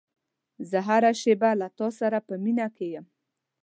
زه هره شېبه له تا سره په مینه کې یم.